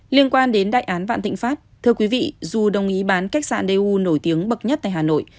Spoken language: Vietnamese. liên quan đến đại án vạn thịnh pháp thưa quý vị dù đồng ý bán khách sạn dau nổi tiếng bậc nhất tại hà nội